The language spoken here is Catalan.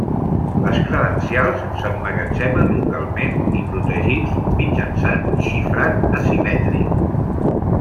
Les credencials s'emmagatzemen localment i protegits mitjançant xifrat asimètric.